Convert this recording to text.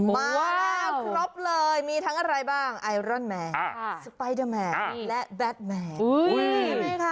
มาแล้วครบเลยมีทั้งอะไรบ้างไอรอนแมนสไปเดอร์แมนและแบทแมน